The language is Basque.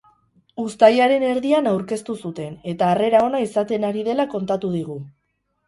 Uztailaren erdian aurkeztu zuten eta harrera ona izaten ari dela kontatu digu.